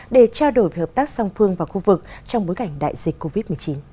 để trao đổi về hợp tác song phương và khu vực trong bối cảnh đại dịch covid một mươi chín